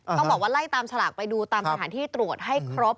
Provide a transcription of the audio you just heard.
ต้องบอกว่าไล่ตามฉลากไปดูตามสถานที่ตรวจให้ครบ